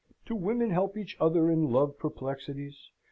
Do women help each other in love perplexities?